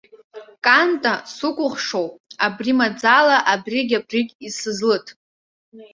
Канта, сукәыхшоуп, абри, маӡала абригь-абригь исызлыҭ.